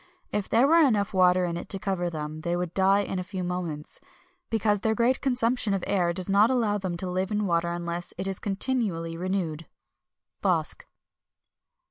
If there were enough water in it to cover them, they would die in a few moments, because their great consumption of air does not allow them to live in water unless it is continually renewed." BOSC.